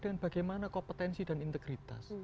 dengan bagaimana kompetensi dan integritas